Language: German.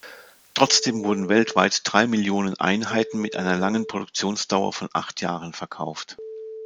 Trotzdem wurden weltweit drei Millionen Einheiten mit einer langen Produktionsdauer von acht Jahren verkauft.